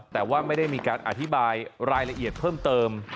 แต่ว่าไม่ได้มีการอธิบายรายละเอียดเพิ่มเติม